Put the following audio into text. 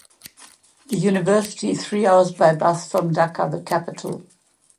The university is three hours by bus from Dhaka, the capital.